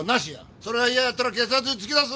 それが嫌やったら警察に突き出す！